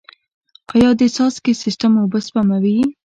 آیا د څاڅکي سیستم اوبه سپموي؟